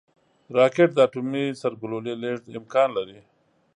راکټ د اټومي سرګلولې لیږد امکان لري